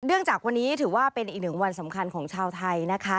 จากวันนี้ถือว่าเป็นอีกหนึ่งวันสำคัญของชาวไทยนะคะ